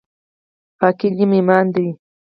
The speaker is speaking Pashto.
پاکي نیم ایمان دی